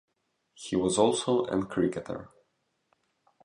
He was also an cricketer.